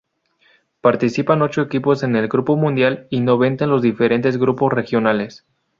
Participan ocho equipos en el Grupo Mundial y noventa en los diferentes grupos regionales.